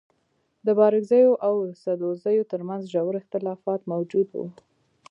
د بارکزيو او سدوزيو تر منځ ژور اختلافات موجود وه.